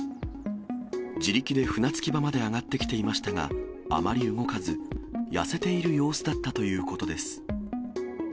自力で船着き場まで上がってきていましたが、あまり動かず、痩せている様子だったということです。